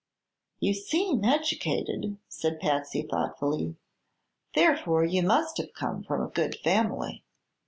"You seem educated," said Patsy thoughtfully; "therefore you must have come from a good family."